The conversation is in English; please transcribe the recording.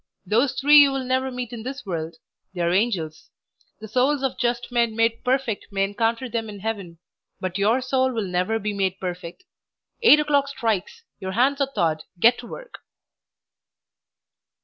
Those three you will never meet in this world; they are angels. The souls of just men made perfect may encounter them in heaven, but your soul will never be made perfect. Eight o'clock strikes! your hands are thawed, get to work!"